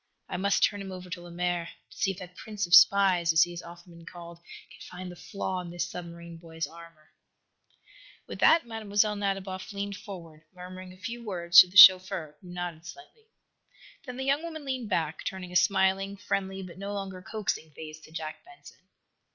I must turn him over to Lemaire to see if that prince of spies, as he has often been called, can find the flaw in this submarine boy's armor." With that Mlle. Nadiboff leaned forward, murmuring a few words to the chauffeur, who nodded slightly. Then the young woman leaned back, turning a smiling, friendly but no longer coaxing face to Jack Benson.